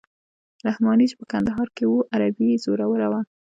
رحماني چې په کندهار کې وو عربي یې زوروره وه.